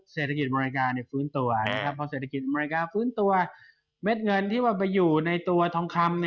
เศรษฐกิจอเมริกาฟื้นตัวเม็ดเงินที่มาไปอยู่ในตัวทองคำ